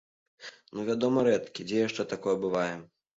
Ну вядома рэдкі, дзе яшчэ такое бывае.